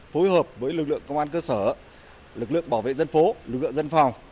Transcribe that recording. phối hợp với lực lượng công an cơ sở lực lượng bảo vệ dân phố lực lượng dân phòng